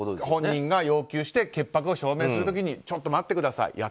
本人が要求して潔白を証明する時にちょっと待ってください